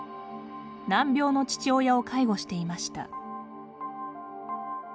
難病の父親を介護していました。